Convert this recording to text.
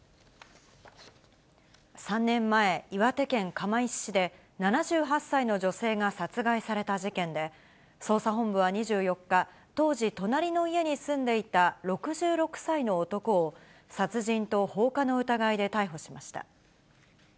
３年前、岩手県釜石市で、７８歳の女性が殺害された事件で、捜査本部は２４日、当時、隣の家に住んでいた６６歳の男を、殺人と放火の疑いで逮捕しました。